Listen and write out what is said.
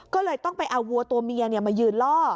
ก็เลยต้องไปเอาวัวตัวเมียมายืนล่อ